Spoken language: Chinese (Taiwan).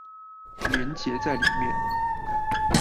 連結在裡面